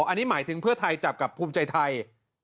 อันนี้หมายถึงเพื่อไทยจับกับภูมิใจไทย